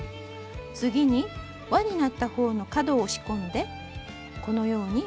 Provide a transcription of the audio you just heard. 次にわになった方の角を押し込んでこのように折ります。